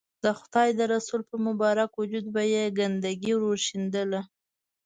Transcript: د خدای رسول پر مبارک وجود به یې ګندګي ورشیندله.